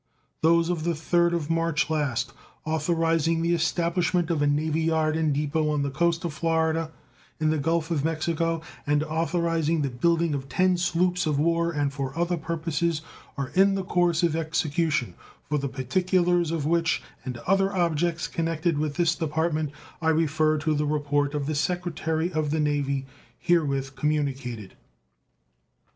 Those of the 3d of March last, authorizing the establishment of a navy yard and depot on the coast of Florida, in the Gulf of Mexico, and authorizing the building of ten sloops of war, and for other purposes, are in the course of execution, for the particulars of which and other objects connected with this Department I refer to the report of the Secretary of the Navy, herewith communicated.